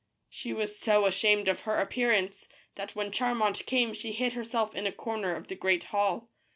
She was ashamed of her appearance that when Charmant came she hid herself in a corner of the great hall.